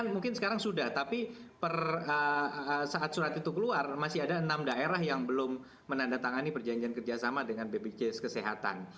mungkin sekarang sudah tapi saat surat itu keluar masih ada enam daerah yang belum menandatangani perjanjian kerjasama dengan bpjs kesehatan